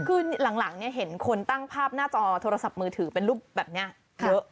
คือหลังเห็นคนตั้งภาพหน้าจอโทรศัพท์มือถือเป็นรูปแบบนี้เยอะ